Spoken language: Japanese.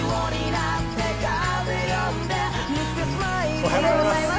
おはようございます。